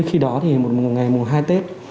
khi đó thì một ngày mùng hai tết